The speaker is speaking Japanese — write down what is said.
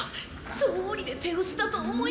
どうりで手薄だと思いました。